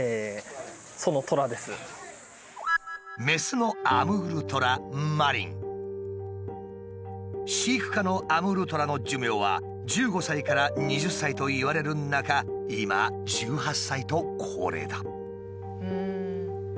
メスのアムールトラ飼育下のアムールトラの寿命は１５歳から２０歳といわれる中今１８歳と高齢だ。